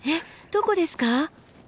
どこですか？